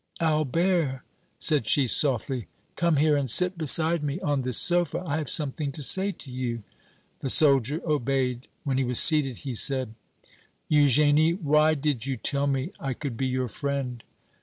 "Albert," said she, softly, "come here and sit beside me on this sofa; I have something to say to you." The soldier obeyed; when he was seated, he said: "Eugénie, why did you tell me I could be your friend?"